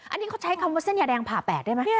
อันนี้เขาใช้คำว่าเส้นยาแดงผ่าแปดได้ไหม